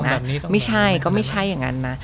ต้องแบบนี้ต้องแบบนี้ไม่ใช่ก็ไม่ใช่อย่างนั้นนะ